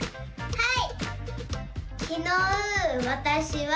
はい！